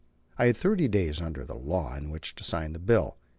I had thirty days under the law in which to sign the bill.